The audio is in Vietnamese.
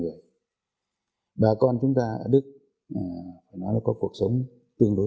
và có cái sự khác biệt